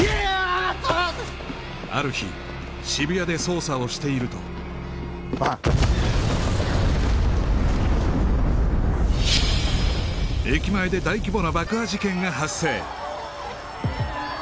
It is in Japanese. ある日渋谷で捜査をしているとおい駅前で大規模な爆破事件が発生